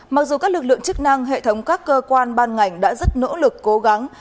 mặc dù các lực lượng chức năng hệ thống các cơ quan ban ngành đã rất nỗ lực cố gắng